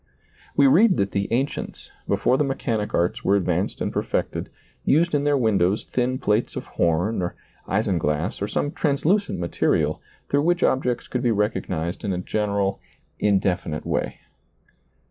We read that the ancients, before the mechanic arts were advanced and perfected, used in their windows thin plates of horn or isinglass or some ^lailizccbvGoOgle 6 SEEING DARKLY translucent material, through which objects could be recognized in a general, indefinite way.